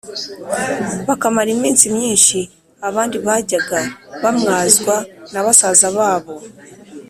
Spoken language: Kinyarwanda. bakamara iminsi myinshi. Abandi bajyaga bamwazwa na basaza babo